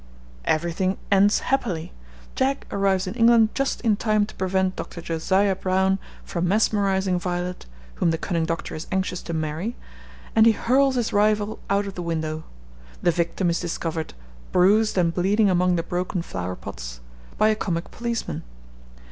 Everything ends happily. Jack arrives in England just in time to prevent Dr. Josiah Brown from mesmerising Violet whom the cunning doctor is anxious to marry, and he hurls his rival out of the window. The victim is discovered 'bruised and bleeding among the broken flower pots' by a comic policeman.